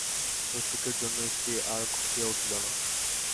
রসিকের জন্যই সে আর ঘটিয়া উঠিল না।